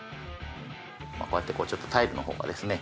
こうやってちょっとタイルのほうがですね